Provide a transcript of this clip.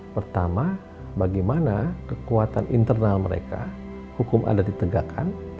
pertama bagaimana kekuatan internal mereka hukum ada ditegakkan